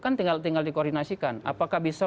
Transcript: kan tinggal tinggal dikoordinasikan apakah bisa